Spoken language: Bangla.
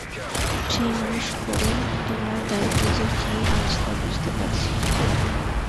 সেই মানুষ করে তোলার দায়িত্ব যে কী আজ তা বুঝতে পারছি।